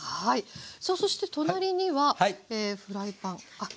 さあそして隣にはフライパン失礼しました。